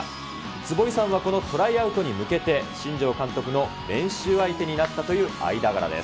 坪井さんはこのトライアウトに向けて、新庄監督の練習相手になったという間柄です。